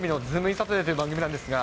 サタデーという番組なんですが。